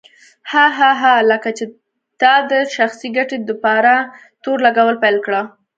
هه هه هه لکه چې تا د شخصي ګټې دپاره تور لګول پيل کړه.